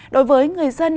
đối với người dân